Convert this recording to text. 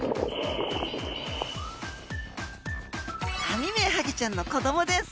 アミメハギちゃんの子どもです。